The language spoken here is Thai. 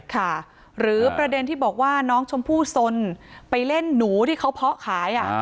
ค่ะหรือประเด็นที่บอกว่าน้องชมพู่สนไปเล่นหนูที่เขาเพาะขาย